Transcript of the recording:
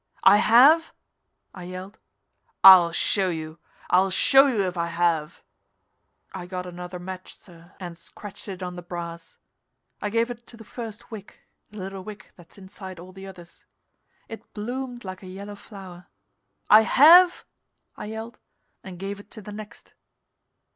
"I have?" I yelled. "I'll show you! I'll show you if I have!" I got another match, sir, and scratched it on the brass. I gave it to the first wick, the little wick that's inside all the others. It bloomed like a yellow flower. "I have?" I yelled, and gave it to the next.